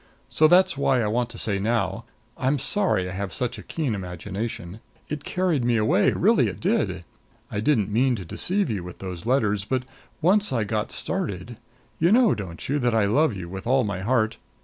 So that's why I want to say now I'm sorry I have such a keen imagination. It carried me away really it did! I didn't mean to deceive you with those letters; but, once I got started You know, don't you, that I love you with all my heart?